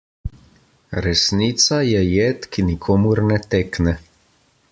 Resnica je jed, ki nikomur ne tekne.